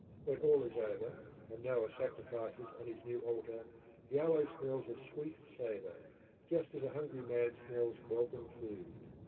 When all is over, and Noah sacrifices on his new altar, Jahweh smells a sweet savour, just as a hungry man smells welcome food.